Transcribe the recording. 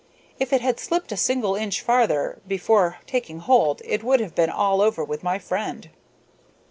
If it had slipped a single inch farther before taking hold it would have been all over with my friend.